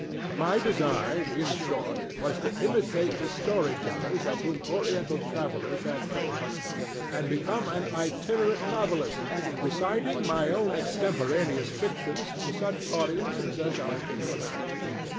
My design, in short, was to imitate the story tellers of whom Oriental travellers have told us, and become an itinerant novelist, reciting my own extemporaneous fictions to such audiences as I could collect.